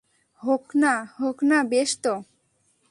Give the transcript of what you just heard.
হোক না, হোক না, বেশ তো।